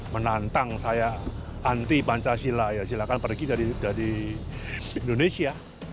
menantang saya anti pancasila ya silahkan pergi dari indonesia